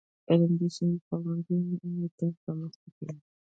علم د ستونزو په وړاندې انعطاف رامنځته کوي.